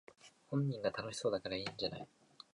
本人が楽しそうだからいいんじゃない